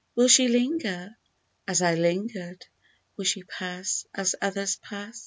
Will she linger as I lingered ? Will she pass as others pass'd